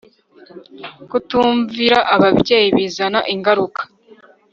kutumvira ababyeyi bizana ingaruka